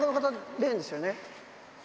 廉ですよね。